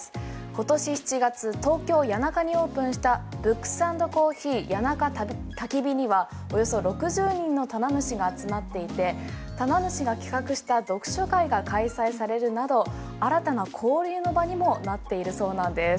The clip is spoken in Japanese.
今年７月東京・谷中にオープンしたＢｏｏｋｓ＆Ｃｏｆｆｅｅ谷中ＴＡＫＩＢＩにはおよそ６０人の棚主が集まっていて棚主が企画した読書会が開催されるなど新たな交流の場にもなっているそうなんです。